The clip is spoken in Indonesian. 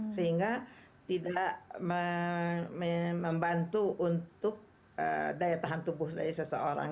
sehingga tidak membantu untuk daya tahan tubuh dari seseorang